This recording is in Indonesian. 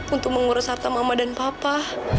untuk mengurus harta mama dan papa